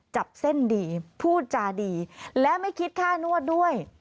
จับเส้นดีพูดจาดีและไม่คิดค่านวดด้วย